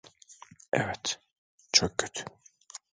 Evet, çok kötü.